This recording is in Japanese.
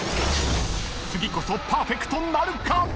［次こそパーフェクトなるか⁉］